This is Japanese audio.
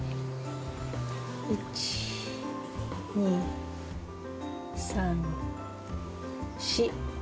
１２３４。